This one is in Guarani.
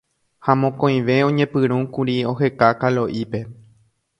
Ha mokõive oñepyrũkuri oheka Kalo'ípe